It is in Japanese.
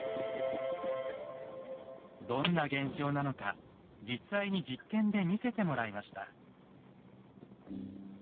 どんな現象なのか実際に実験で見せてもらいました。